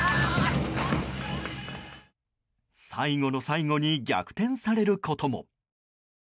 最後の最後に逆転されることも。